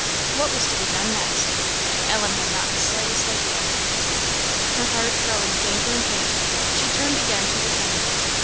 What was to be done next? Ellen had not the slightest idea. Her heart growing fainter and fainter, she turned again to the inn.